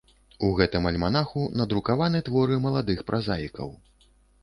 У гэтым альманаху надрукаваны творы маладых празаікаў.